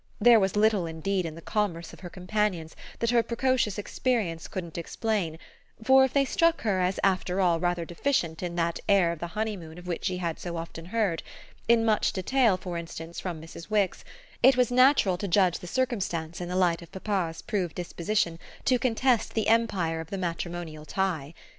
There was little indeed in the commerce of her companions that her precocious experience couldn't explain, for if they struck her as after all rather deficient in that air of the honeymoon of which she had so often heard in much detail, for instance, from Mrs. Wix it was natural to judge the circumstance in the light of papa's proved disposition to contest the empire of the matrimonial tie.